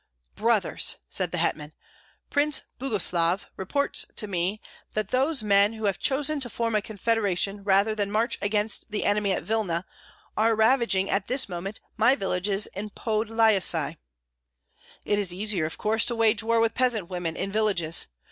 "Brothers!" said the hetman, "Prince Boguslav reports to me that those men who have chosen to form a confederation rather than march against the enemy at Vilna, are ravaging at this moment my villages in Podlyasye. It is easier of course to wage war with peasant women in villages.